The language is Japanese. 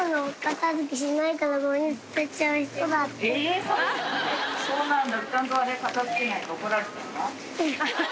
えぇそうなんだ。